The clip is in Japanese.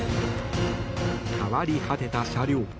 変わり果てた車両。